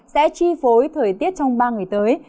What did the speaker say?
sẽ chi phối thời tiết trong ba ngày tới